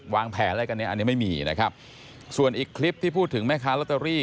วางแผนอะไรกันเนี้ยอันนี้ไม่มีนะครับส่วนอีกคลิปที่พูดถึงแม่ค้าลอตเตอรี่